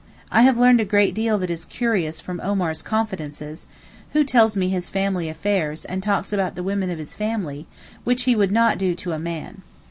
I have learned a great deal that is curious from Omar's confidences, who tells me his family affairs and talks about the women of his family, which he would not to a man.